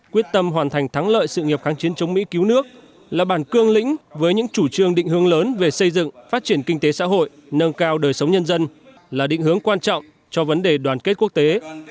quyết tâm hoàn thành thắng lợi sự nghiệp kháng chiến chống mỹ cứu nước là bản cương lĩnh với những chủ trương định hướng lớn về xây dựng phát triển kinh tế xã hội nâng cao đời sống nhân dân là định hướng quan trọng cho vấn đề đoàn kết quốc tế